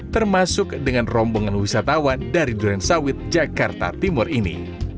termasuk dengan rombongan wisatawan dari durensawit jakarta timur ini